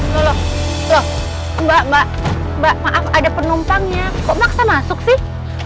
lho lho lho mbak mbak mbak maaf ada penumpangnya kok maksa masuk sih